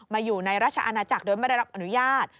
อยู่ในราชอาณาจักรโดยไม่ได้รับอนุญาต